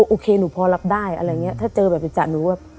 โอเคหนูพอรับได้อะไรอย่างนี้ถ้าเจอแบบจัดหนูแบบ